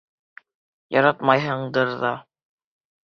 — Яратмайһыңдыр ҙа...